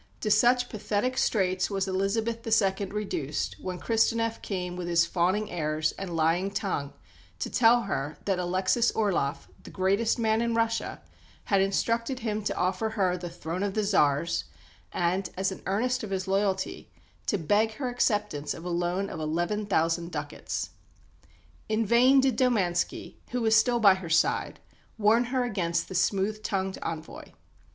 To such pathetic straits was "Elizabeth II." reduced when Kristenef came with his fawning airs and lying tongue to tell her that Alexis Orloff, the greatest man in Russia, had instructed him to offer her the throne of the Tsars, and, as an earnest of his loyalty, to beg her acceptance of a loan of eleven thousand ducats. In vain did Domanski, who was still by her side, warn her against the smooth tongued envoy.